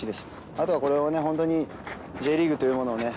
あとはこれを本当にＪリーグというものをね